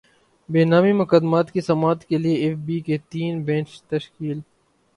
بے نامی مقدمات کی سماعت کیلئے ایف بی کے تین بینچ تشکیل